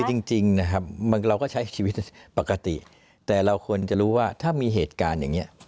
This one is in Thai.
จริงนะครับเราก็ใช้ชีวิตปกติแต่เราควรจะรู้ว่าถ้ามีเหตุการณ์อย่างนี้